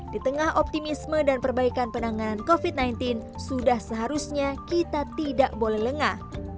di tengah optimisme dan perbaikan penanganan covid sembilan belas sudah seharusnya kita tidak boleh lengah